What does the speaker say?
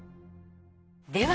では